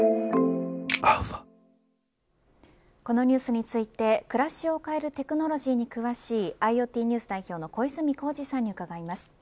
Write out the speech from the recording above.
このニュースについて暮らしを変えるテクノロジーに詳しいＩｏＴＮＥＷＳ代表の小泉耕二さんに伺います。